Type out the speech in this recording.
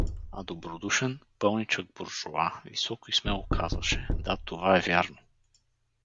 А добродушен, пълничек буржоа високо и смело казваше: „Да, това е вярно!“